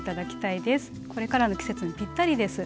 これからの季節にぴったりです。